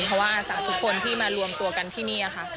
เพราะว่าจากทุกคนที่มารวมตัวกันที่นี่ค่ะ